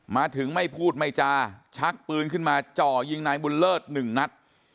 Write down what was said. มาถึงไม่พูดไม่จาชักปืนขึ้นมาจ่อยิงนายบุญเลิศหนึ่งนัด